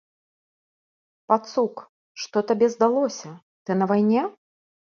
Пацук, што табе здалося, ты на вайне?